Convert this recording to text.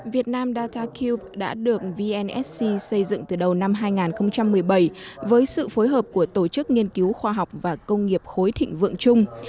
việt nam data q đã được vnsc xây dựng từ đầu năm hai nghìn một mươi bảy với sự phối hợp của tổ chức nghiên cứu khoa học và công nghiệp khối thịnh vượng chung